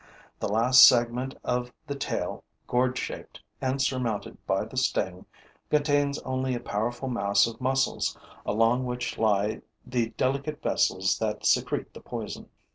The last segment of the tail, gourd shaped and surmounted by the sting, contains only a powerful mass of muscles along which lie the delicate vessels that secrete the poison.